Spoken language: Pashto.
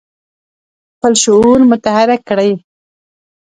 خپل شعور متحرک کړي.